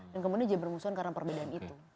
dan kemudian jadi bermusuhan karena perbedaan itu